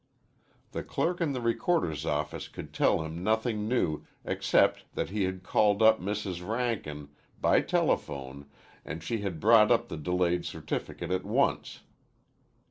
The clerk in the recorder's office could tell him nothing new except that he had called up Mrs. Rankin by telephone and she had brought up the delayed certificate at once.